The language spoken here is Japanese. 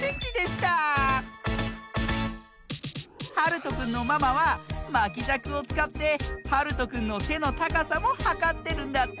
はるとくんのママはまきじゃくをつかってはるとくんのせのたかさもはかってるんだって。